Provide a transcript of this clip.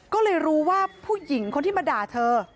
ก็เลยรู้ว่าผู้หญิงคนที่มาด่าเธอ